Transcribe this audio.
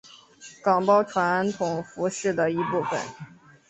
岗包传统服饰的一部分。